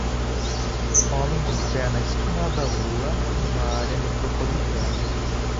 homem de pé na esquina da rua em uma área metropolitana.